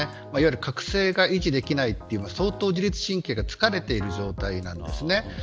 覚醒が維持できないというのは相当、自律神経が疲れている状態なんですね。